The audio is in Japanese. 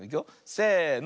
せの。